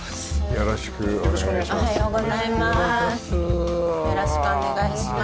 よろしくお願いします。